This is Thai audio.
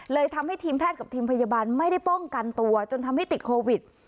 ทำให้ทีมแพทย์กับทีมพยาบาลไม่ได้ป้องกันตัวจนทำให้ติดโควิด